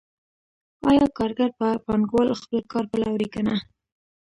آیا کارګر په پانګوال خپل کار پلوري که نه